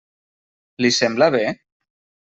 Li sembla bé?